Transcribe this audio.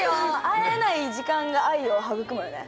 会えない時間が愛を育むよね。